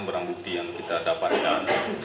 barang bukti yang kita dapatkan